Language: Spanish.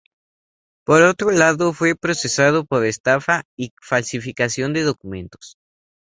Por otro lado, fue procesado por estafa y falsificación de documentos.